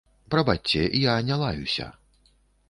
Прабачце, я не лаюся.